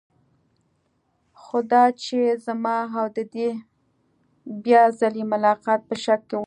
خو دا چې زما او د دې بیا ځلې ملاقات په شک کې و.